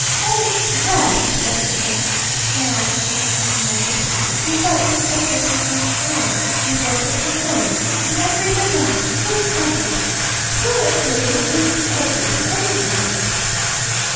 "Oh drat Miss Edgarton!" snarled the Younger Man viciously. "You've got Miss Edgarton on the brain! Miss Edgarton this! Miss Edgarton that! Miss Edgarton! Who in blazes is Miss Edgarton, anyway?"